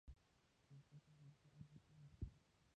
توپک ژوند ته ارزښت نه ورکوي.